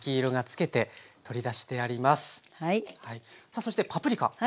さあそしてパプリカですね。